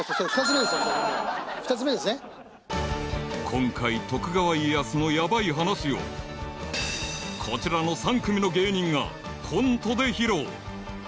［今回徳川家康のヤバい話をこちらの３組の芸人がコントで披露］